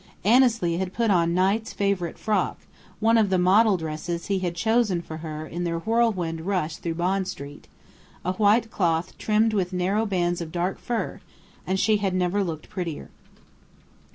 Annesley had put on Knight's favourite frock, one of the "model dresses" he had chosen for her in their whirlwind rush through Bond Street, a white cloth trimmed with narrow bands of dark fur; and she had never looked prettier.